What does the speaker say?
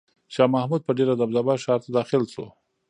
شاه محمود په ډېره دبدبه ښار ته داخل شو.